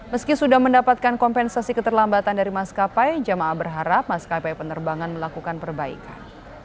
meski sudah mendapatkan kompensasi keterlambatan dari maskapai jamaah berharap maskapai penerbangan melakukan perbaikan